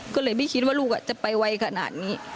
ก็เลยไม่คิดว่าลูกจะไปไวขนาดนี้